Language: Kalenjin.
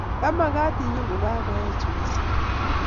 Kamamagat Inyo kogaech missing